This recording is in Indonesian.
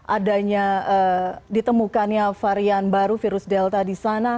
adanya ditemukannya varian baru virus delta di sana